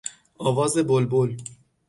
آواز بلبل